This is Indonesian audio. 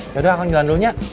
yaudah akang jalan dulunya